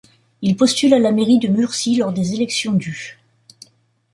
Il postule à la mairie de Murcie lors des élections du.